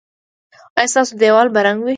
ایا ستاسو دیوال به رنګ وي؟